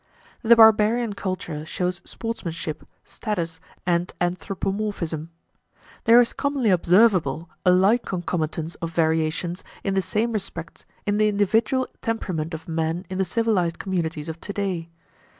The barbarian culture shows sportsmanship, status, and anthropomorphism. There is commonly observable a like concomitance of variations in the same respects in the individual temperament of men in the civilized communities of today.